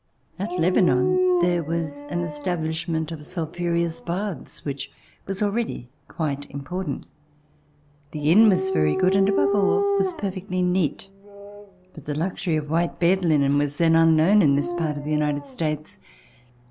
At Lebanon there was an establishment of sulphu reous baths which was already quite important. The inn was very good, and above all was perfectly neat. But the luxury of white bed linen was then unknown C191] RECOLLECTIONS OF THE REVOLUTION" in this part of the United States.